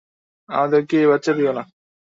আমাদেরকে এই বাচ্চা দিও না।